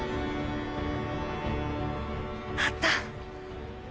あった！